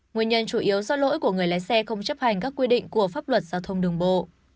nguyên nhân chủ yếu do lỗi của người lái xe không chấp hành các quy định của pháp luật giao thông đường bộ